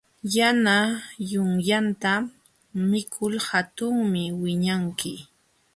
Yana yunyata mikul hatunmi wiñanki.